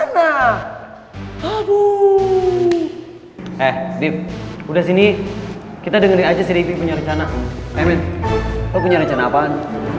nah habu eh dip udah sini kita denger aja sih punya rencana emin punya rencana apaan